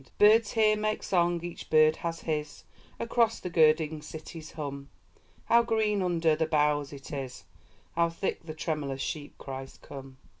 Birds here make song, each bird has his, Across the girding city's hum. How green under the boughs it is! How thick the tremulous sheep cries come!